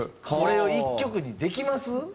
これを１曲にできます？